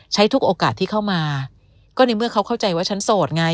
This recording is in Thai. ทุกโอกาสที่เข้ามาก็ในเมื่อเขาเข้าใจว่าฉันโสดไง